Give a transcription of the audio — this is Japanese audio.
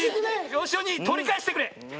よしお兄とりかえしてくれ。